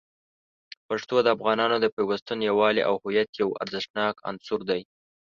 پښتو د افغانانو د پیوستون، یووالي، او هویت یو ارزښتناک عنصر دی.